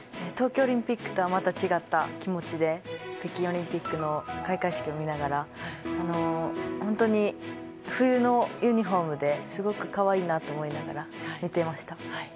東京オリンピックとはまた違った気持ちで北京オリンピックの開会式を見ながら本当に冬のユニホームですごく可愛いなと思いながら見ていました。